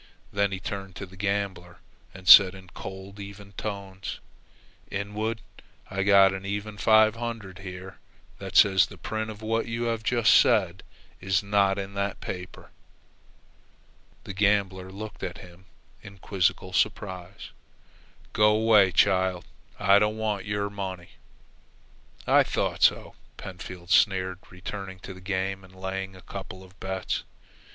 Then he turned to the gambler and said in cold, even tones: "Inwood, I've got an even five hundred here that says the print of what you have just said is not in that paper." The gambler looked at him in quizzical surprise. "Go 'way, child. I don't want your money." "I thought so," Pentfield sneered, returning to the game and laying a couple of bets.